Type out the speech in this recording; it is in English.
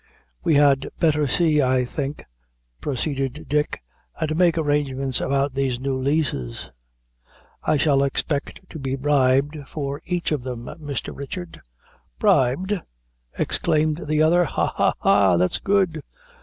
"We had better see, I think," proceeded Dick, "and make arrangements about these new leases." "I shall expect to be bribed for each of them, Mr. Richard." "Bribed!" exclaimed the other, "ha, ha, ha! that's good."